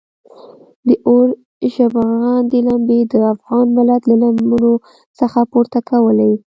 د اور ژبغړاندې لمبې د افغان ملت له لمنو څخه پورته کولې.